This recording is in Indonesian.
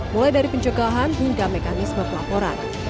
mulai dari pencegahan hingga mekanisme pelaporan